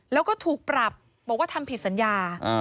แล้วก็ถูกปรับบอกว่าทำผิดสัญญา